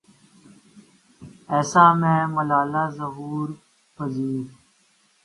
اَیسا میں ملالہ ظہور پزیر